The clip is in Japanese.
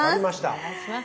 お願いします。